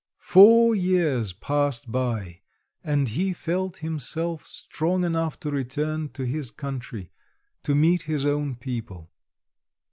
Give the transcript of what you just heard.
Four years passed by, and he felt himself strong enough to return to his country, to meet his own people.